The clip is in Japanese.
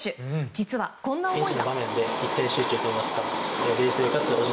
実は、こんな思いが。